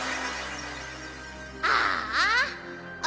ああ。